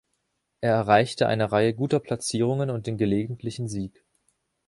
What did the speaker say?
Er erreichte eine Reihe guter Platzierungen und den gelegentlichen Sieg.